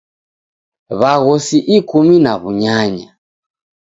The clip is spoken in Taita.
W'aghosi ikumi na w'unyanya.